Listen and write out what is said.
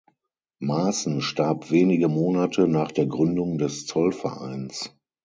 Maaßen starb wenige Monate nach der Gründung des Zollvereins.